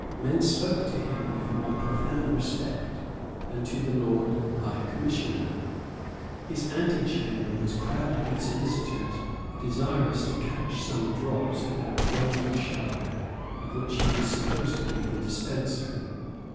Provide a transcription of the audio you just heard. Men spoke to him with more profound respect than to the Lord High Commissioner. His antechamber was crowded with solicitors desirous to catch some drops of that golden shower of which he was supposed to be the dispenser.